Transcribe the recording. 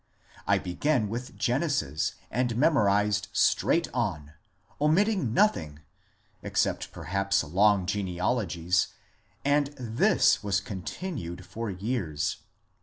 I began with Genesis and memorized straight on, omitting nothing except perhaps long genealogies, and this was continued for years.